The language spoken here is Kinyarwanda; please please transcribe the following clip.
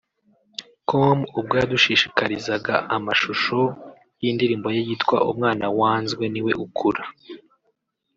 com ubwo yadushyikirizaga amashusho y’indirimbo ye yitwa “Umwana wanzwe niwe ukura”